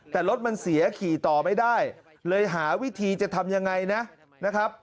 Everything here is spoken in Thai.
แต่รถมันเสียขี่ต่อไม่ได้เลยหาวิธีจะทำยังไงนะครับ